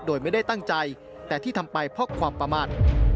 โดยไม่ได้ตั้งใจแต่ที่ทำไปเพราะความประมาท